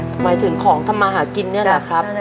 หมายถึงของทำมาหากินนี่แหละครับ